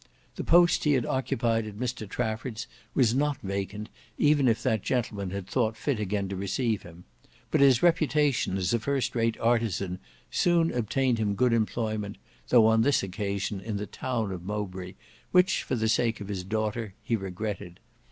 The post he had occupied at Mr Trafford's was not vacant even if that gentleman had thought fit again to receive him; but his reputation as a first rate artizan soon obtained him good employment, though on this occasion in the town of Mowbray, which for the sake of his daughter he regretted.